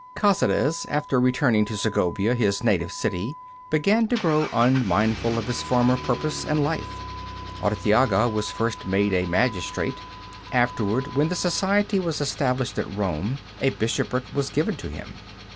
Caceres, after returning to Segovia, his native city, began to grow unmindful of his former purpose and life. Artiaga was first made a magistrate. Afterward, when the Society was established at Rome, a bishopric was given to him.